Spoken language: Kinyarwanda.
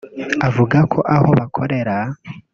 avuga ko aho bakorera